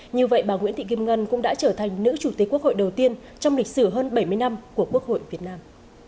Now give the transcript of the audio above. như vậy bà nguyễn thị kim ngân cũng đã trở thành nữ chủ tịch quốc hội đầu tiên trong lịch sử hơn bảy mươi năm của quốc hội việt nam